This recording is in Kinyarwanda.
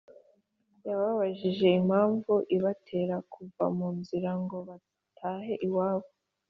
yababajije impamvu ibatera kutava mu nzira ngo batahe iwabo